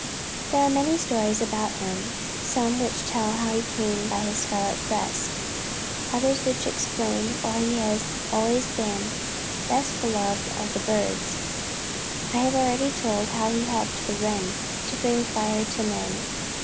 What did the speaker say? There are many stories about him: some which tell how he came by his scarlet breast, others which explain why he has always been best beloved of the birds. I have already told how he helped the Wren to bring fire to men.